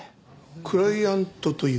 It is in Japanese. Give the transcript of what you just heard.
クライアントというと？